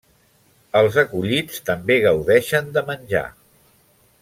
Els acollits també gaudeixen de menjar.